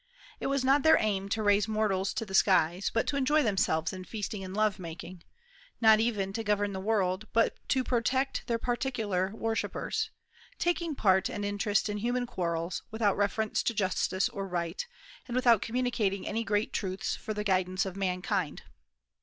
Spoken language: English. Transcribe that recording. It was not their aim "to raise mortals to the skies," but to enjoy themselves in feasting and love making; not even to govern the world, but to protect their particular worshippers, taking part and interest in human quarrels, without reference to justice or right, and without communicating any great truths for the guidance of mankind.